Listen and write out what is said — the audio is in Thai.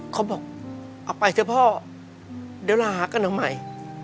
เขาบอกเอาไปเถอะพ่อเดี๋ยวลากันเอาใหม่